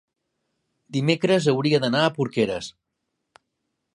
dimecres hauria d'anar a Porqueres.